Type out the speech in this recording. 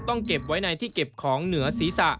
เก็บไว้ในที่เก็บของเหนือศีรษะ